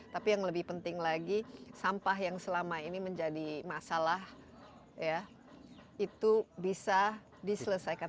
tapi yang lebih penting lagi sampah yang selama ini menjadi masalah ya itu bisa diselesaikan